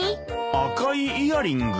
赤いイヤリング？